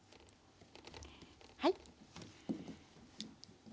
はい。